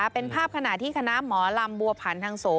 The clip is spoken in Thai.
เป็นภาพขณะที่คณะหมอลำบัวผันทางโส